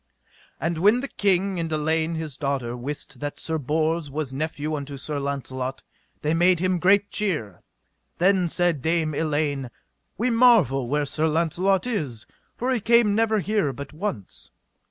And when the king and Elaine his daughter wist that Sir Bors was nephew unto Sir Launcelot, they made him great cheer. Then said Dame Elaine: We marvel where Sir Launcelot is, for he came never here but once.